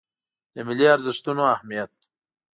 د ملي ارزښتونو اهمیت